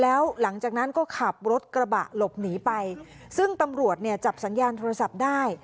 แล้วหลังจากนั้นก็ขับรถกระบะหลบหนีไปซึ่งตำรวจเนี่ยจับสัญญาณโทรศัพท์ได้